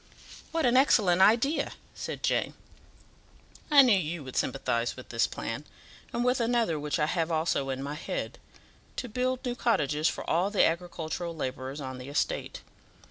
"What an excellent idea!" said Jane. "I knew you would sympathize with this plan, and with another which I have also in my head to build new cottages for all the agricultural labourers on the estate.